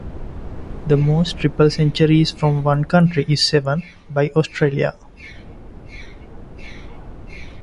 The most triple centuries from one country is seven, by Australia.